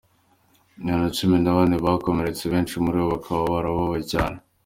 Abantu cumi na bane bakomeretse, benshi muri bo bakaba bababaye cane.